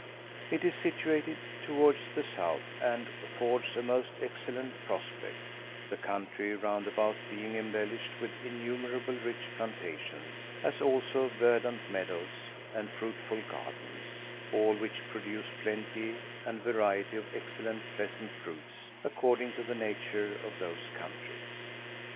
It is situate towards the south, and affords a most excellent prospect; the country round about being embellished with innumerable rich plantations, as also verdant meadows and fruitful gardens; all which produce plenty and variety of excellent pleasant fruits, according to the nature of those countries.